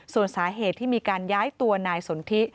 ส่วนสาเหตุที่มีการย้ายตัวนายสนทิ